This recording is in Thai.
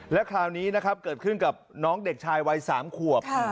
แล้วคราวนี้นะครับเกิดขึ้นกับน้องเด็กชายวัย๓ขวบ